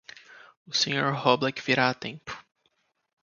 O Sr. Roblek virá a tempo.